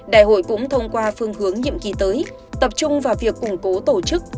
đại hội cũng thông qua phương hướng nhiệm kỳ tới tập trung vào việc củng cố tổ chức